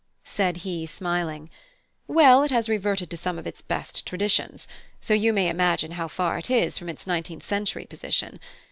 said he, smiling. "Well, it has reverted to some of its best traditions; so you may imagine how far it is from its nineteenth century position.